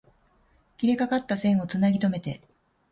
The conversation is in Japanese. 切れかかった線を繋ぎとめて